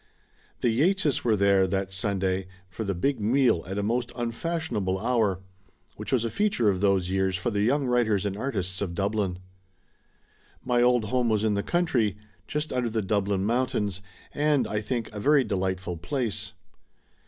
The Yeatses were there that Sunday for the big meal at a most unfashionable hour, which was a feature of those years for the young writers and artists of Dublin. My old home was in the country, just under the Dublin mountains, and, I think, a very delightful place.